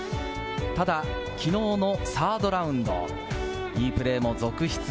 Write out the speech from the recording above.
ただ、きのうの３ラウンド、いいプレーも続出。